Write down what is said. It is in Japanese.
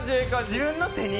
自分の手に。